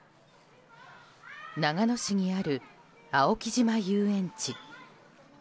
長野市にある青木島遊園地。